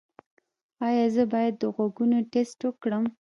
ایا زه باید د غوږونو ټسټ وکړم؟